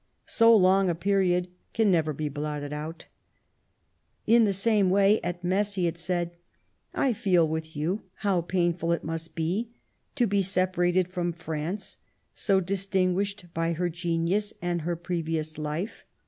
So long a period can never be blotted out." In the same way at Metz he had said : "I feel with you how painful it must be to be separated from France, so distinguished by her genius and her pre vious life